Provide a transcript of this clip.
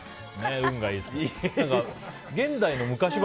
運がいいですね。